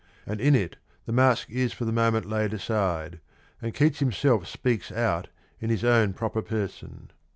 and in it the mask is for the moment laid aside, and Keats himself speaks out in his own proper person.